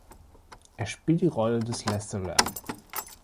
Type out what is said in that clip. Er spielt die Rolle des Lester Lamb.